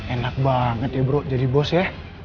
enak banget ya bro jadi bos ya